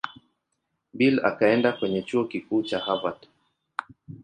Bill akaenda kwenye Chuo Kikuu cha Harvard.